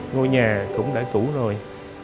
ngôi nhà cũng đã cũ rồi